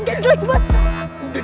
nggak jelas banget